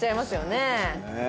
ねえ。